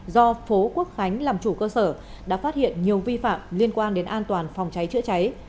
do phố quốc khánh làm chủ cơ sở đã phát hiện nhiều vi phạm liên quan đến an toàn phòng cháy chữa cháy